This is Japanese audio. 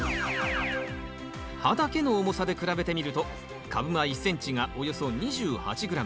葉だけの重さで比べてみると株間１ｃｍがおよそ２８ｇ